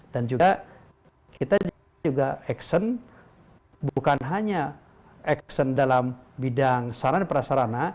juga kita juga action bukan hanya action dalam bidang sarana prasarana